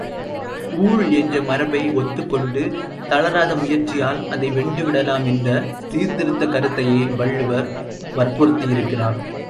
ஊழ் என்ற மரபை ஒத்துக்கொண்டு, தளராத முயற்சியால் அதை வென்று விடலாம் என்ற சீர்திருத்தக் கருத்தையே வள்ளுவர் வற்புறுத்தியிருக்கிறார்.